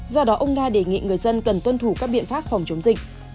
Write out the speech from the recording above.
do đó ông nga đề nghị người dân cần tuân thủ các biện pháp phòng chống dịch